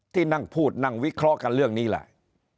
ที่นั่งพูดนั่งวิเคราะห์กันเรื่องนี้แหละ